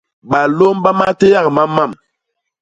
Balôm ba matéak ma mam.